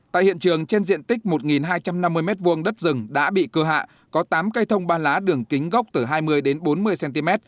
tại hiện trường trên diện tích một hai trăm năm mươi m hai đất rừng đã bị cưa hạ có tám cây thông ba lá đường kính gốc từ hai mươi đến bốn mươi cm